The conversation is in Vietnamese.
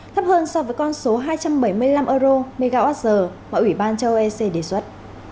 thấp hơn so với con số hai trăm bảy mươi năm euro mwh mà ủy ban châu âu ec đề xuất